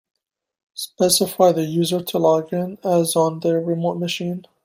Specify the user to log in as on the remote machine.